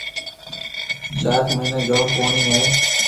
شاخ مئينَي جوم پوڻِي هيَ۔